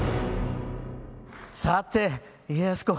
さて家康公